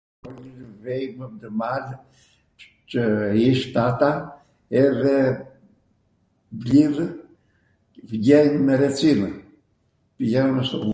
vejmw ndw mal qw ish tata edhe mblidhw vjenj me recinw